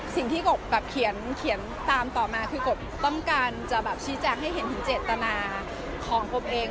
สิ่งที่กบเขียนตามต่อมาคือกบต้องการชี้แจ้งให้เห็นถึงเจตนาของกบเอง